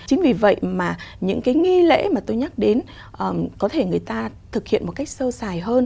chính vì vậy mà những cái nghi lễ mà tôi nhắc đến có thể người ta thực hiện một cách sâu sài hơn